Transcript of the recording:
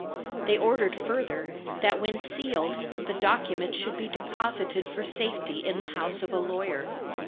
They ordered further, that when sealed, the document should be deposited for safety in the house of a lawyer.